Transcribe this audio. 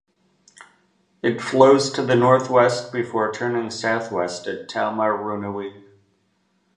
It flows to the north-west before turning south-west at Taumarunui.